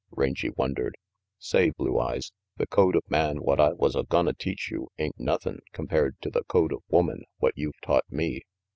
Rangy wondered. "Say, Blue Eyes, the code of man what I was a gonna teach to you ain't nothin', compared to the code of woman what you've taught me.